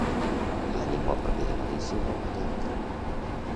La llengua pròpia de Galicia és el gallec.